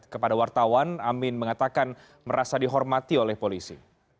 kepada wartawan amin mengatakan merasa dihormati oleh polisi